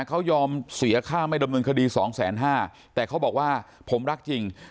เขายอมเสียค่าไม่ดำเนินคดีสองแสนห้าแต่เขาบอกว่าผมรักจริง